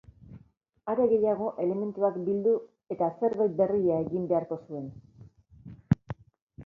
Are gehiago, elementuak bildu eta zerbait berria egin beharko zuen.